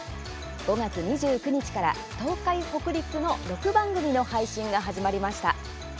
５月２９日から、東海・北陸の６番組の配信が始まりました。